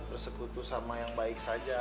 bersekutu sama yang baik saja